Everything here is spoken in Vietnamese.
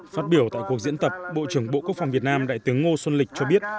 phát biểu tại cuộc diễn tập bộ trưởng bộ quốc phòng việt nam đại tướng ngô xuân lịch cho biết